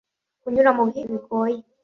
kunyura mu bihe bigoye